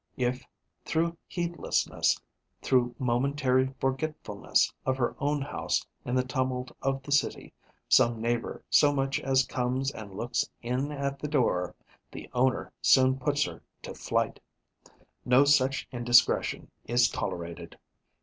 If, through heedlessness, through momentary forgetfulness of her own house in the tumult of the city, some neighbour so much as comes and looks in at the door, the owner soon puts her to flight. No such indiscretion is tolerated.